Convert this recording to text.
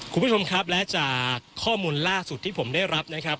คุณผู้ชมครับและจากข้อมูลล่าสุดที่ผมได้รับนะครับ